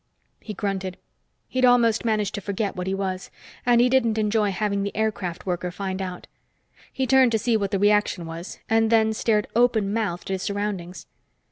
He grunted. He'd almost managed to forget what he was, and he didn't enjoy having the aircraft worker find out. He turned to see what the reaction was, and then stared open mouthed at his surroundings.